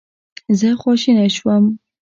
زه خواشینی شوم.